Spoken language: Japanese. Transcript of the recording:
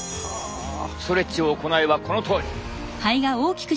ストレッチを行えばこのとおり！